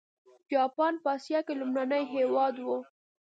جاپان په اسیا کې لومړنی هېواد و.